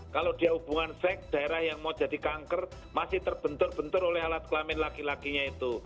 kalau dia hubungan seks daerah yang mau jadi kanker masih terbentur bentur oleh alat kelamin laki lakinya itu